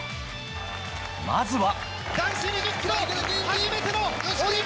まずは。